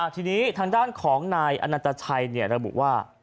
ทีนี้ทางด้านของนายอนันตชัยระบุว่า